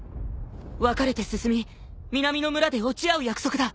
分かれて進み南の村で落ち合う約束だ。